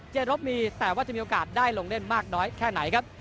เจรบมีแต่ว่าจะมีโอกาสได้ลงเล่นมากน้อยแค่ไหนครับ